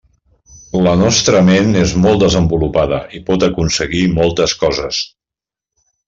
La nostra ment és molt desenvolupada i pot aconseguir moltes coses.